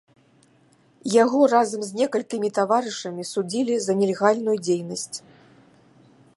Яго разам з некалькімі таварышамі судзілі за нелегальную дзейнасць.